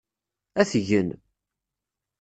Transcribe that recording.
Ad t-gen.